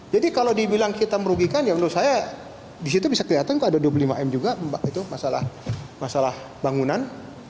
jadi kalau dibilang kita merugikan ya menurut saya disitu bisa kelihatan kok ada dua puluh lima m juga masalah bangunan